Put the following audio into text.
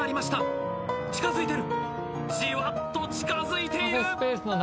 じわっと近づいている！